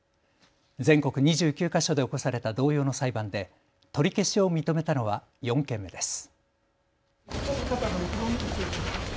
全国２９か所で起こされた同様の裁判で取り消しを認めたのは４件目です。